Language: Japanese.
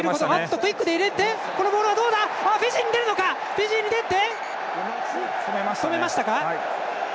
フィジーに出て止めました。